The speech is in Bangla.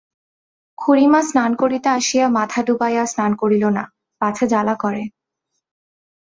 খুড়িমা স্নান করিতে আসিয়া মাথা ড়ুবাইয়া স্নান করিল না, পাছে জ্বালা করে।